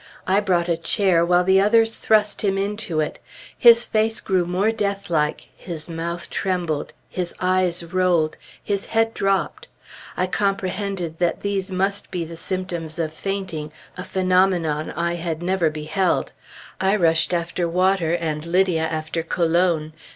I brought a chair, while the others thrust him into it. His face grew more deathlike, his mouth trembled, his eyes rolled, his head dropped. I comprehended that these must be symptoms of fainting, a phenomenon I had never beheld. I rushed after water, and Lydia after cologne.